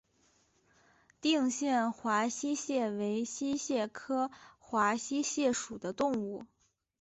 定县华溪蟹为溪蟹科华溪蟹属的动物。